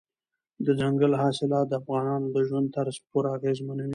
دځنګل حاصلات د افغانانو د ژوند طرز پوره اغېزمنوي.